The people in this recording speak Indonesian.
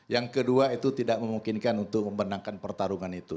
yang kedua itu tidak memungkinkan untuk memenangkan pertarungan itu